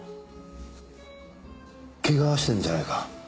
怪我してるじゃないか。